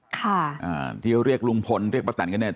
ค่ะอ่าที่เขาเรียกลุงพลเรียกป้าแตนกันเนี่ย